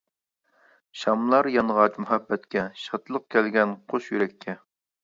شاملار يانغاچ مۇھەببەتكە، شادلىق كەلگەن قوش يۈرەككە.